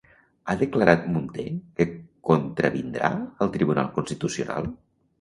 Ha declarat Munté que contravindrà al Tribunal Constitucional?